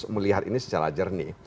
melihat ini secara jernih